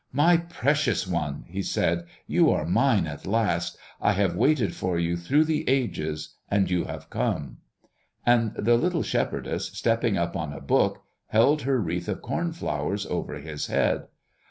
"My precious one," he said, "you are mine at last. I have waited for you through the ages, and you have come!" And the little shepherdess, stepping up on a book, held her wreath of corn flowers over his head.